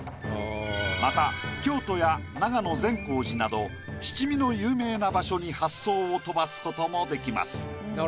また京都や長野善光寺など七味の有名な場所に発想を飛ばすこともできます。